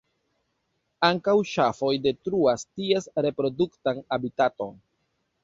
Ankaŭ ŝafoj detruas ties reproduktan habitaton.